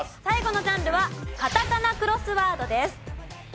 最後のジャンルはカタカナクロスワードです。